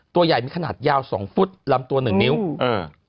ตัวใหญ่มีขนาดยาวสองฟุตลำตัวหนึ่งนิ้วเออ